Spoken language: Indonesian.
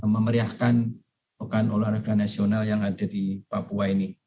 memeriahkan pekan olahraga nasional yang ada di papua ini